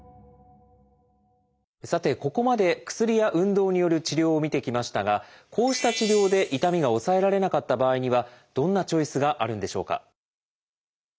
さてここまで薬や運動による治療を見てきましたがこうした治療で痛みが抑えられなかった場合にはどんなチョイスがあるんでしょうか？